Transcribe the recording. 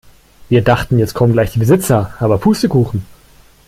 Wir dachten jetzt kommen gleich die Besitzer, aber Pustekuchen.